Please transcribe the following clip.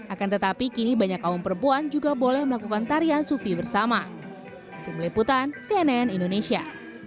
akan tetapi kini banyak kaum perempuan juga boleh melakukan tarian sufi bersama